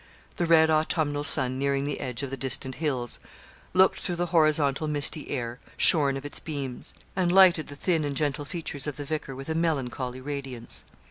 The red autumnal sun nearing the edge of the distant hills, Looked through the horizontal misty air Shorn of its beams and lighted the thin and gentle features of the vicar with a melancholy radiance.